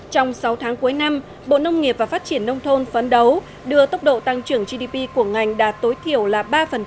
trong sáu tháng cuối năm bộ nông nghiệp và phát triển nông thôn phấn đấu đưa tốc độ tăng trưởng gdp của ngành đạt tối thiểu là ba